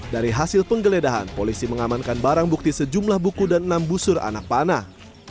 dari hasil penggeledahan polisi mengamankan barang bukti sejumlah buku dan enam busur anak panah